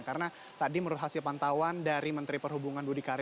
karena tadi menurut hasil pantauan dari menteri perhubungan budi karya